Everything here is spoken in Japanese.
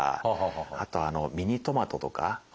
あとミニトマトとかあれも。